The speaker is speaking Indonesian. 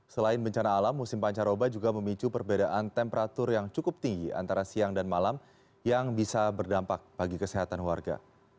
selain bencana alam musim pancar oba juga memicu perbedaan temperatur yang cukup tinggi antara siang dan malam yang bisa berdampak bagi kesehatan warga